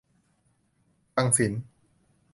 ฟังศีล